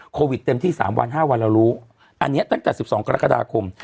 เต็มที่๓วัน๕วันเรารู้อันนี้ตั้งแต่๑๒กรกฎาคม